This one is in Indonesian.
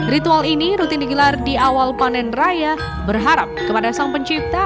ritual ini rutin digelar di awal panen raya berharap kepada sang pencipta